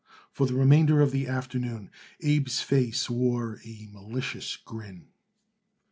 For the remainder of the afternoon Abe's face wore a malicious grin.